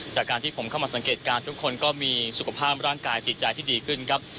จากการที่ผมเข้ามาสังเกตการณ์ทุกคนก็มีสุขภาพร่างกายจิตใจที่ดีขึ้นครับ